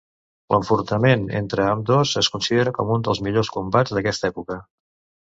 L'enfrontament entre ambdós es considera com un dels millors combats d'aquesta època.